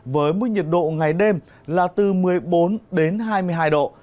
với mức nhiệt độ ngày đêm là từ một mươi bốn đến hai mươi hai độ